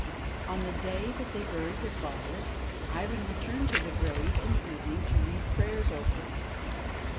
On the day that they buried their father, Ivan returned to the grave in the evening to read prayers over it.